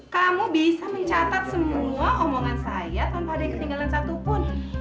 kamu bisa mencatat semua omongan saya tanpa ada ketinggalan satu pun